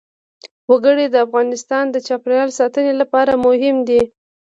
وګړي د افغانستان د چاپیریال ساتنې لپاره مهم دي.